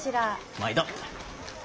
毎度。